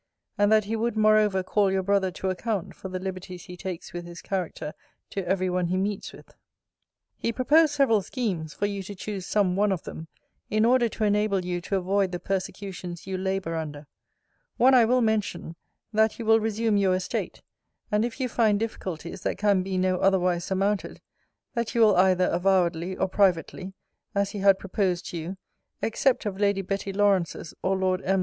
And that he would moreover call your brother to account for the liberties he takes with his character to every one he meets with. He proposed several schemes, for you to choose some one of them, in order to enable you to avoid the persecutions you labour under: One I will mention That you will resume your estate; and if you find difficulties that can be no otherwise surmounted, that you will, either avowedly or privately, as he had proposed to you, accept of Lady Betty Lawrance's or Lord M.'